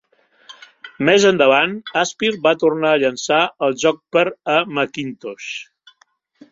Més endavant Aspyr va tornar a llançar el joc per a Macintosh.